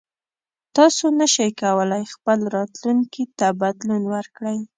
تاسو نشئ کولی خپل راتلونکي ته بدلون ورکړئ.